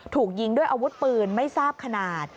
ถูกยิงด้วยอาวุธปืนไม่ทราบขนาด